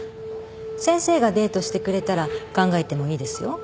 先生がデートしてくれたら考えてもいいですよ。